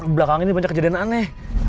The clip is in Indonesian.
belakang ini banyak kejadian aneh